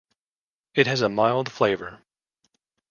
It has a mild flavour.